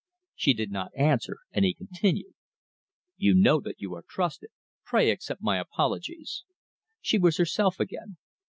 She did not answer, and he continued: "You know that you are trusted. Pray accept my apologies." She was herself again.